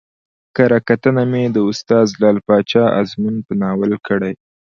کره کتنه مې د استاد لعل پاچا ازمون په ناول کړى